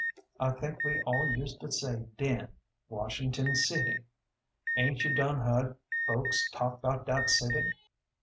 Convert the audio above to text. I think we all use to say den, "Washington City." Aint you done heard folks talk 'bout dat city?